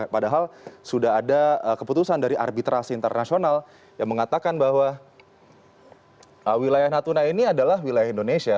padahal sudah ada keputusan dari arbitrasi internasional yang mengatakan bahwa wilayah natuna ini adalah wilayah indonesia